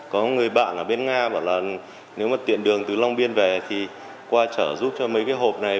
có người bạn ở bên nga bảo là nếu mà tiện đường từ long biên về thì qua trở giúp cho mấy cái hộp này